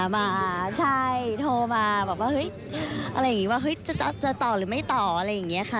มาใช่โทรมาแบบว่าเฮ้ยอะไรอย่างนี้ว่าเฮ้ยจะต่อหรือไม่ต่ออะไรอย่างนี้ค่ะ